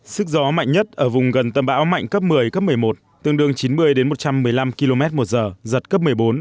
sức gió mạnh nhất ở vùng gần tâm bão mạnh cấp một mươi cấp một mươi một tương đương chín mươi một trăm một mươi năm km một giờ giật cấp một mươi bốn